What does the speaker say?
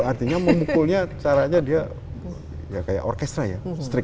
artinya memukulnya caranya dia ya kayak orkestra ya